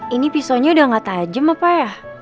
ini pisaunya udah gak tajem apa ya